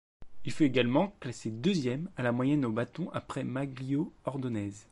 Il fut également classé deuxième à la moyenne au bâton après Magglio Ordonez.